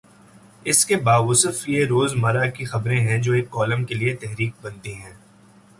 اس کے باوصف یہ روز مرہ کی خبریں ہیں جو ایک کالم کے لیے تحریک بنتی ہیں۔